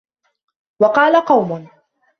وَقَالَ قَوْمٌ